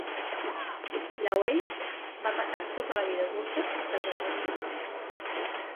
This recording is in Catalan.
Lawes va passar tota la vida adulta a el servei de Charles.